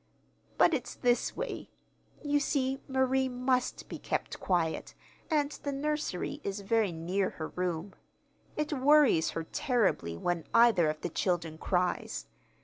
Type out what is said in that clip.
But it's this way. You see, Marie must be kept quiet, and the nursery is very near her room. It worries her terribly when either of the children cries.